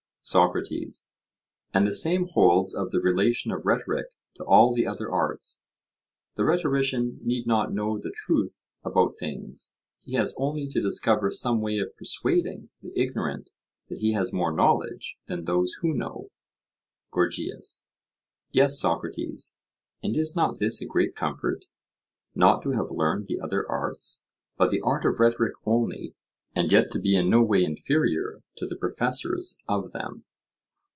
SOCRATES: And the same holds of the relation of rhetoric to all the other arts; the rhetorician need not know the truth about things; he has only to discover some way of persuading the ignorant that he has more knowledge than those who know? GORGIAS: Yes, Socrates, and is not this a great comfort?—not to have learned the other arts, but the art of rhetoric only, and yet to be in no way inferior to the professors of them?